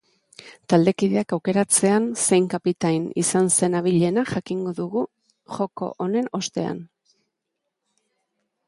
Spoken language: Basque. Taldekideak aukeratzean zein kapitain izan zen abilena jakingo dugu joko honen ostean.